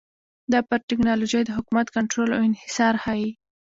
دا پر ټکنالوژۍ د حکومت کنټرول او انحصار ښيي